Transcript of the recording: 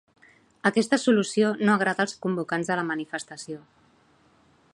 Aquesta solució no agrada els convocants de la manifestació.